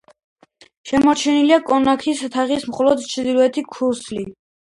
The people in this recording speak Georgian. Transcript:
შემორჩენილია კონქის თაღის მხოლოდ ჩრდილოეთ ქუსლი.